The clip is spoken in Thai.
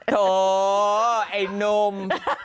โถ่ไอเนม